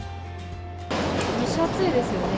蒸し暑いですよね。